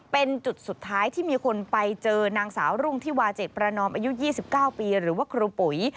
เป็นจุดสุดท้ายที่มีคนไปเจอนางสาวรุ่งที่วาเจ็ดประนอมอายุ๒๙ปีหรือว่าครูปุ๋ย